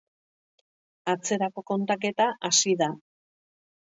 Atzerako kontaketa hasi da.